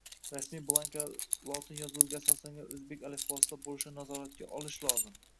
Rasmiy blankalar lotin yozuviga asoslangan o‘zbek alifbosida bo‘lishini nazoratga olish lozim